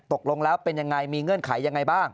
ตกลงแล้วเป็นยังไงมีเงื่อนไขยังไงบ้าง